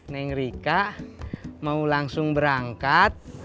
neng rika mau langsung berangkat